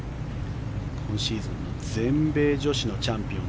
今シーズンの全米女子のチャンピオン。